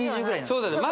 そうだよね